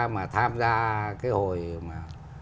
mà tham gia cái hồi mà